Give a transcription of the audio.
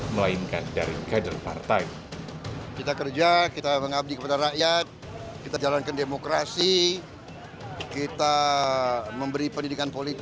melainkan dari kader partai